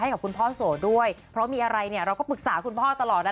กับคุณพ่อโสด้วยเพราะมีอะไรเนี่ยเราก็ปรึกษาคุณพ่อตลอดนะ